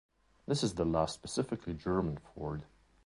This is the last specifically German Ford.